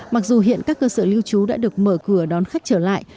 mặc dù hiện các cơ sở lưu trú đã được mở cửa đón khách trở lại